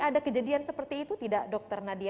ada kejadian seperti itu tidak dokter nadia